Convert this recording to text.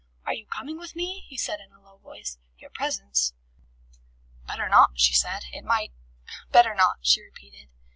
"Are you coming with me?" he said in a low voice. "Your presence " "Better not," she said. "It might Better not," she repeated.